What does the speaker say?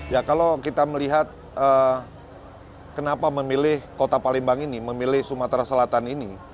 ya kalau kita melihat kenapa memilih kota palembang ini memilih sumatera selatan ini